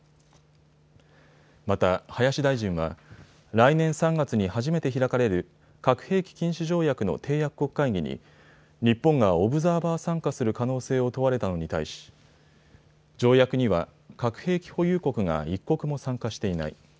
また林大臣は来年３月に初めて開かれる核兵器禁止条約の締約国会議に日本がオブザーバー参加する可能性を問われたのに対し、条約には、核兵器保有国が１国も参加していない。